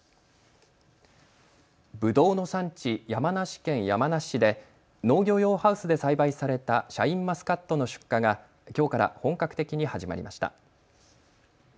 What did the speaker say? ぶどうの産地、山梨県山梨市で農業用ハウスで栽培されたシャインマスカットの出荷がきょうから本格的に始まりました。